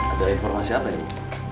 ada informasi apa ibu